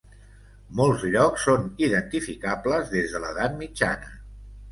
Molts llocs són identificables des de l'Edat Mitjana.